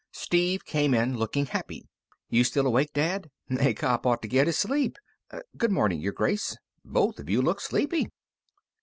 Steve came in looking happy. "You still awake, Dad? A cop ought to get his sleep. Good morning, Your Grace. Both of you look sleepy."